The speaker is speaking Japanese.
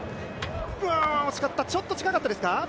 惜しかったちょっと近かったですか？